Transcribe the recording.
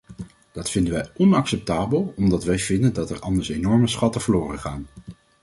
Dat vinden wij onacceptabel, omdat wij vinden dat er anders enorme schatten verloren gaan.